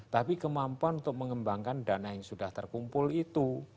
tapi kemampuan untuk mengembangkan dana yang sudah terkumpul itu